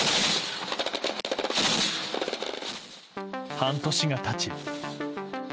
半年が経ち。